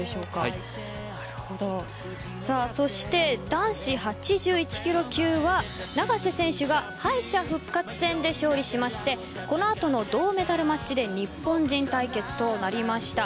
男子８１ｋｇ級は永瀬選手が敗者復活戦で勝利しましてこの後の銅メダルマッチで日本人対決となりました。